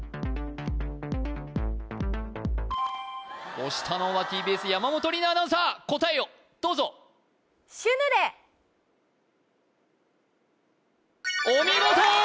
押したのはＴＢＳ山本里菜アナウンサー答えをどうぞお見事！